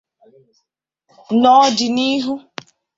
N’ọ dị n’ihu